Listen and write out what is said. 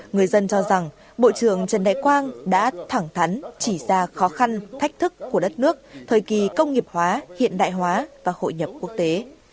người dân cho rằng bộ trưởng trần đại quang đã thẳng thắn chỉ ra khó khăn thách thức của đất nước thời kỳ công nghiệp hóa hiện đại hóa và hội nhập quốc tế